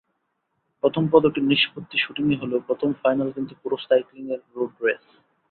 প্রথম পদকের নিষ্পত্তি শুটিংয়ে হলেও প্রথম ফাইনাল কিন্তু পুরুষ সাইক্লিংয়ের রোড রেস।